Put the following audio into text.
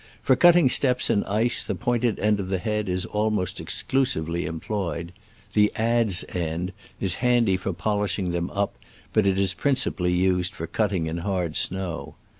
For cutting steps in ice the pointed end of the head is almost exclusively employed: the adze end is handy for polishing them up, but is principally used for cutting in hard snow.